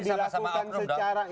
bersama sama oknum dong